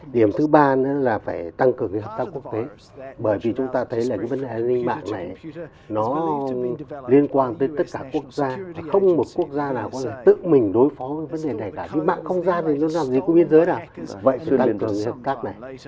điểm thứ ba nữa là phải tăng cường cái hợp tác quốc tế bởi vì chúng ta thấy là cái vấn đề an ninh mạng này nó liên quan tới tất cả quốc gia và không một quốc gia nào có thể tự mình đối phó với vấn đề này cả vì mạng không gian thì nó làm gì của biên giới nào vậy thì tăng cường những hợp tác này